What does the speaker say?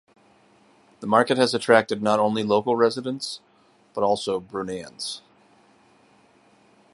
The market has attracted not only local residents, but also Bruneians.